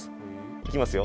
いきますよ。